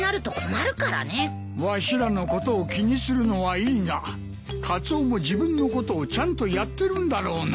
わしらのことを気にするのはいいがカツオも自分のことをちゃんとやってるんだろうな。